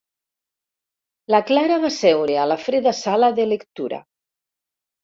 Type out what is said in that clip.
La Clara va seure a la freda sala de lectura.